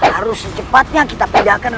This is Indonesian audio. harus secepatnya kita pindahkan